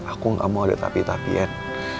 aku gak mau ada tapi tapian